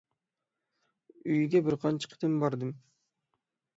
ئۆيىگە بىر قانچە قېتىم باردىم.